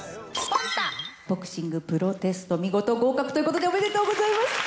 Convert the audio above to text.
ボクシングプロテスト、見事合格ということで、おめでとうございます。